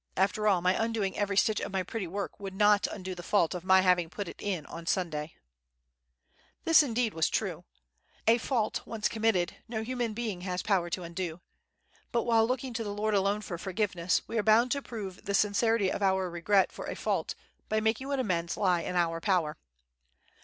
After all, my undoing every stitch of my pretty work would not undo the fault of my having put it in on Sunday." This was indeed true. A fault once committed, no human being has power to undo; but while looking to the Lord alone for forgiveness, we are bound to prove the sincerity of our regret for a fault by making what amends lie in our power.